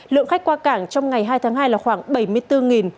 lượng khách qua cảng trong ngày hai tháng hai là khoảng bảy mươi bốn